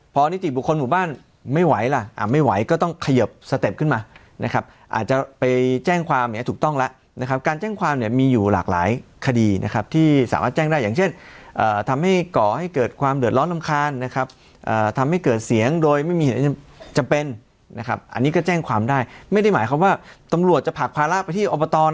พอนิติบุคคลหมู่บ้านไม่ไหวล่ะไม่ไหวก็ต้องเขยิบสเต็ปขึ้นมานะครับอาจจะไปแจ้งความเนี่ยถูกต้องแล้วนะครับการแจ้งความเนี่ยมีอยู่หลากหลายคดีนะครับที่สามารถแจ้งได้อย่างเช่นทำให้ก่อให้เกิดความเดือดร้อนรำคาญนะครับทำให้เกิดเสียงโดยไม่มีเหตุจำเป็นนะครับอันนี้ก็แจ้งความได้ไม่ได้หมายความว่าตำรวจจะผลักภาระไปที่อบต